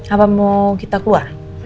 apa mau kita keluar